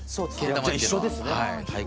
じゃ一緒ですね。